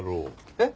えっ？